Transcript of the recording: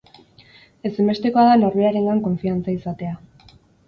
Ezinbestekoa da norberarengan konfiantza izatea.